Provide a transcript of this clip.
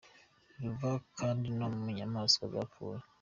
Ruva kandi no mu nyamaswa zapfuye.